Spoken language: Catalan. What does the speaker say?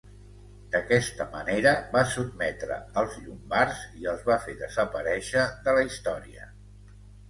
D'aquesta manera va sotmetre els llombards i els va fer desaparéixer de la Història.